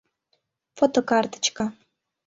Фотокарточка...